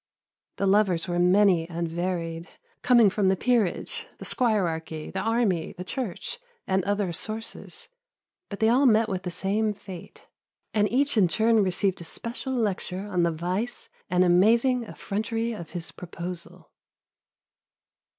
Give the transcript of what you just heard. The lovers were many and varied; coming from the peerage, the squirearchy, the army, the Church, and other sources; but they all met with the same fate, and each in turn received a special lecture on the vice and amazing effrontery of his proposal.